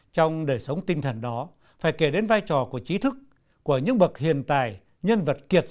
trong đời sống tinh thần đó phải kể đến vai trò của trí thức của những bậc hiện tài nhân vật kiệt xuất